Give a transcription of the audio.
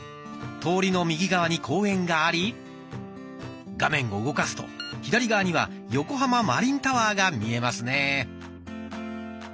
通りの右側に公園があり画面を動かすと左側には「横浜マリンタワー」が見えますね。